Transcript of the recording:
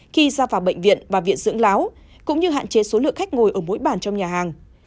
khi ra vào bệnh viện và viện dưỡng lão cũng như hạn chế số lượng khách ngồi ở mỗi bản trong nhà hàng